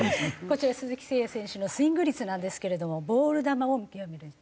こちら鈴木誠也選手のスイング率なんですけれどもボール球を見極める率８．４パーセント